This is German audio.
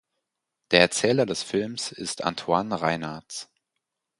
Der Erzähler des Films ist Antoine Reinartz.